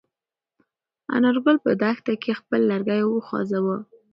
انارګل په دښته کې خپل لرګی وخوځاوه.